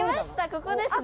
ここですね。